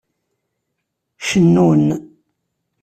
Cennun.